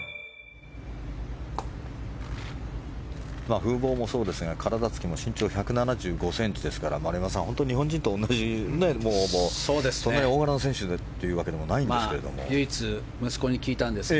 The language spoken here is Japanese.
風ぼうもそうですが体付きも身長１７５ｃｍですから丸山さん、本当に日本人と同じそんなに大柄な選手というわけではないんですが。